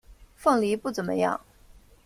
凤梨不怎么样